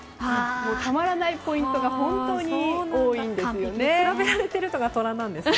たまらないポイントが本当に多いんですよね。